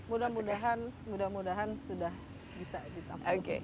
mudah mudahan sudah bisa ditampung